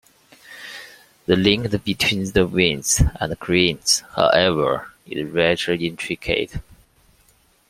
The link between the winds and currents, however, is rather intricate.